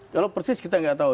kalau persis kita nggak tahu